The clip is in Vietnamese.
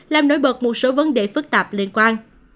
làm nổi bật một số vấn đề phức tạp liên quan